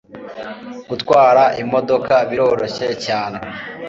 Gutwara imodoka biroroshye cyane.